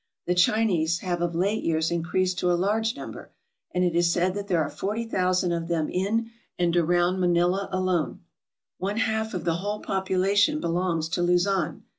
The Chinese have of late years increased to a large number, and it is said that there are 40,000 of them in and around Manila alone. One half of the whole population belongs to Luzon.